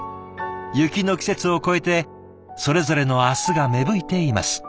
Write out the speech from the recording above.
雪の季節を越えてそれぞれの明日が芽吹いています。